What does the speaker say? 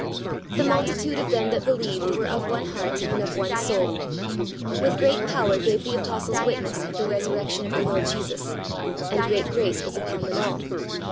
"The multitude of them that believed were of one heart and of one soul. ... With great power gave the apostles witness of the resurrection of the Lord Jesus; and great grace was upon them all."